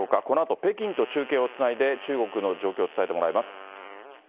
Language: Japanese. このあと、北京と中継をつないで、中国の状況を伝えてもらいます。